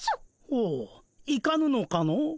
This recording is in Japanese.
ほういかぬのかの？